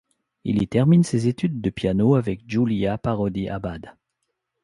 Il y termine ses études de piano avec Julia Parody Abad.